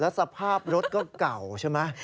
สภาพรถก็เก่าใช่ไหม